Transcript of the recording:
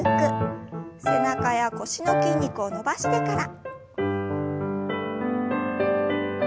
背中や腰の筋肉を伸ばしてから。